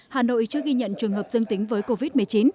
hà nội chưa ghi nhận trường hợp dương tính với covid một mươi chín